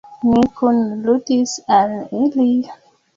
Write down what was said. Ni kunludis al ili.